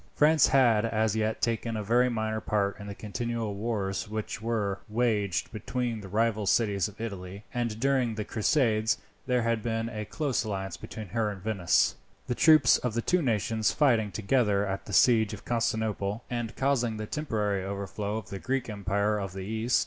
France had as yet taken a very minor part in the continual wars which were waged between the rival cities of Italy, and during the Crusades there had been a close alliance between her and Venice, the troops of the two nations fighting together at the siege of Constantinople, and causing the temporary overthrow of the Greek Empire of the East.